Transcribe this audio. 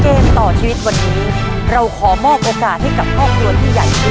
เกมต่อชีวิตวันนี้เราขอมอบโอกาสให้กับครอบครัวที่ใหญ่ขึ้น